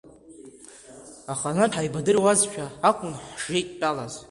Аханатә ҳаибадыруазшәа акәын ҳшеидтәалаз.